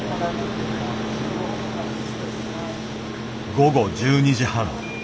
午後１２時半。